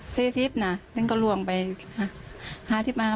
เบอร์ลูอยู่แบบนี้มั้งเยอะมาก